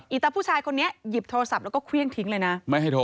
อีตะผู้ชายคนนี้หยิบโทรศัพท์แล้วก็เควี้ยงทิ้งเลยนะ